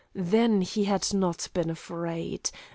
Then he had not been afraid.